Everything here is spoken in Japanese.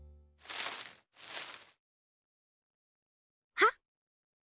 はっ。